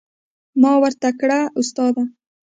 ما ورته کړه استاده.